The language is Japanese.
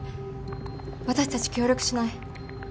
私たち協力しない？